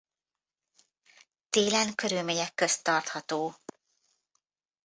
Télen körülmények közt tartható.